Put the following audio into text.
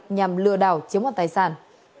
nhằm lừa đảo chiếm hoạt tài sản